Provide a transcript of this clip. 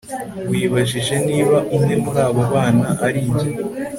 wibajije niba umwe muri abo bana ari njye